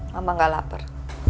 mama gak lapar